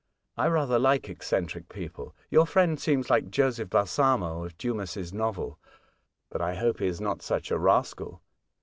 I rather like eccentric people. Your friend seems like Joseph Balsamo of Dumas' novel; but I hope he is not such a rascal."